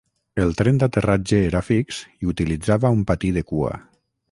El tren d'aterratge era fix i utilitzava un patí de cua.